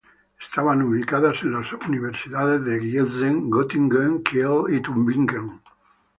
Estaban ubicadas en las Universidades de Giessen, Göttingen, Kiel y Tübingen.